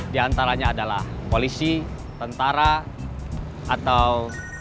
di antaranya adalah polisi tentara atau